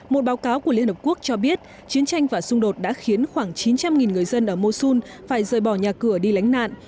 một báo cáo của liên hợp quốc cho biết chiến tranh và xung đột đã khiến khoảng chín trăm linh người dân ở mosun phải rời bỏ nhà cửa đi lánh nạn